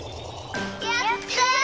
やった！